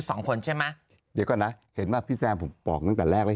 สองคนใช่ไหมเดี๋ยวก่อนนะเห็นว่าพี่แซมผมบอกตั้งแต่แรกไว้